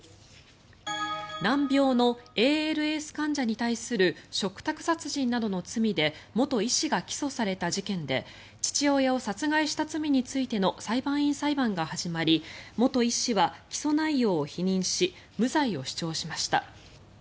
難病のＡＬＳ患者に対する嘱託殺人などの罪で元医師が起訴された事件で父親を殺害した罪についての裁判員裁判が始まり元医師は起訴内容を否認し無罪を主張しました。